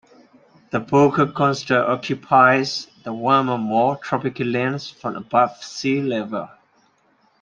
The Boca Costa occupies the warmer more tropical lands from above sea level.